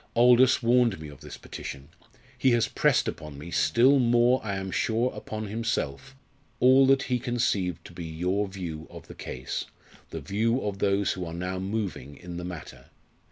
Aldous warned me of this petition he has pressed upon me, still more I am sure upon himself, all that he conceived to be your view of the case the view of those who are now moving in the matter.